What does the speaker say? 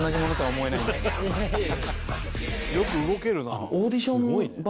よく動けるな」